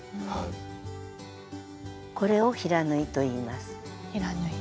これを「平縫い」といいます。